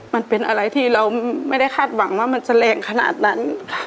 มันเป็นอะไรที่เราไม่ได้คาดหวังว่ามันจะแรงขนาดนั้น